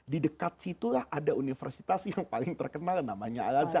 di dekat situlah ada universitas yang paling terkenal namanya al azhar